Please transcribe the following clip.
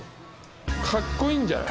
かっこいいんじゃない？